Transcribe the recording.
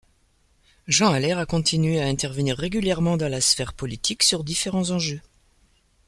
Jean Allaire a continué à intervenir régulièrement dans la sphère politique sur différents enjeux.